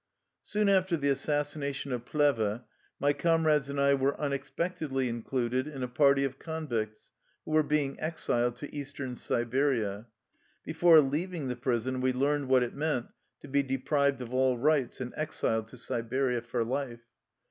Soon after the assassination of Plehve, my comrades and I were unexpectedly included in a party of convicts who were being exiled to Eastern Siberia. Before leaving the prison we learned what it meant to be " deprived of all rights and exiled to Siberia for life."